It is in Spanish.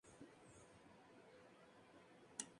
Las principales montañas del cantón son El Bejuco y Membrillo.